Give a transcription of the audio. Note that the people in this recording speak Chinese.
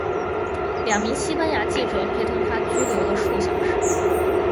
两名西班牙记者陪同她拘留了数小时。